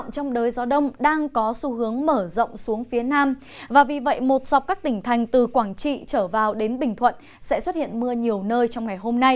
xin chào các bạn